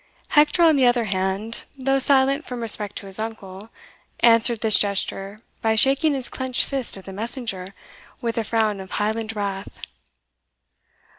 Hector, on the other hand, though silent from respect to his uncle, answered this gesture by shaking his clenched fist at the messenger with a frown of Highland wrath.